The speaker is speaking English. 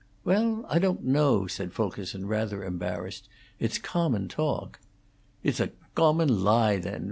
"Well, I don't know," said Fulkerson, rather embarrassed. "It's common talk." "It's a gommon lie, then!